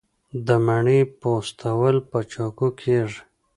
د مڼې پوستول په چاقو کیږي.